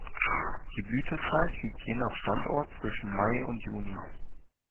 Die Blütezeit liegt je nach Standort zwischen Mai und Juni.